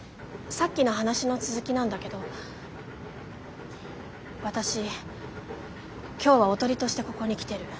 さっきの話の続きなんだけど私今日はおとりとしてここに来てる。